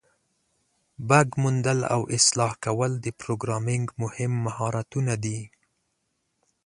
بګ موندل او اصلاح کول د پروګرامینګ مهم مهارتونه دي.